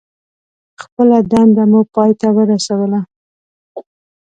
خپله دنده مو پای ته ورسوله.